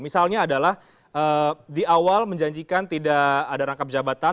misalnya adalah di awal menjanjikan tidak ada rangkap jabatan